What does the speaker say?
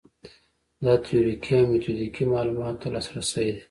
دا تیوریکي او میتودیکي معلوماتو ته لاسرسی دی.